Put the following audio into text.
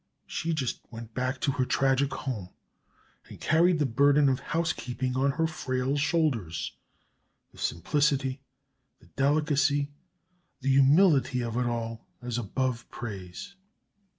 She just went back to her tragic home, and carried the burden of housekeeping on her frail shoulders. The simplicity, the delicacy, the humility of it all is above praise.